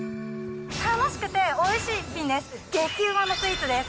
楽しくておいしい逸品です。